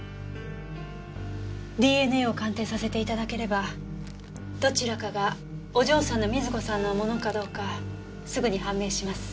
ＤＮＡを鑑定させて頂ければどちらかがお嬢さんの瑞子さんのものかどうかすぐに判明します。